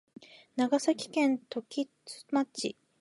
長崎県時津町